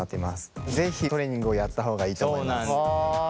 是非トレーニングをやった方がいいと思います。